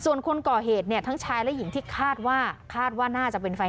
ส่วนคนก่อเหตุเนี่ยทั้งชายและหญิงที่คาดว่าคาดว่าน่าจะเป็นไฟ